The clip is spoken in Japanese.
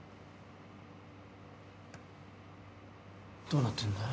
どうなってんだ？